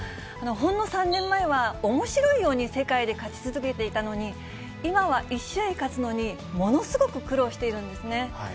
ほんの３年前は、おもしろいように世界で勝ち続けていたのに、今は１試合勝つのに、ものすごく苦労しているんですね。